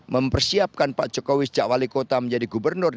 mempersiapkan pak jokowi sejak wali kota menjadi gubernur